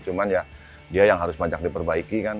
cuman ya dia yang harus banyak diperbaiki kan